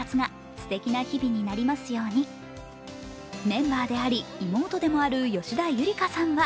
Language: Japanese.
メンバーであり、妹でもある吉田夕梨花さんは